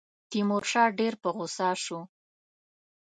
تیمورشاه ډېر په غوسه شو.